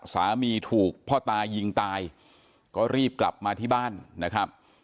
สามีถูกพ่อตายิงตายก็รีบกลับมาที่บ้านนะครับ